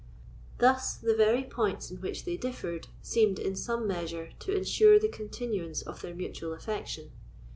Thus the very points in which they differed seemed, in some measure, to ensure the continuance of their mutual affection.